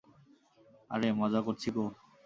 আরে, মজা করছি গো।